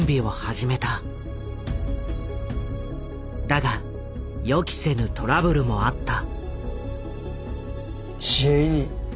だが予期せぬトラブルもあった。